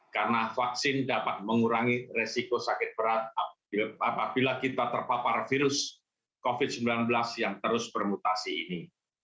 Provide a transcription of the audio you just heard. karena vaksin dapat mengurangi resiko sakit berat apabila kita terpapar virus covid sembilan belas yang terus bermutasi ini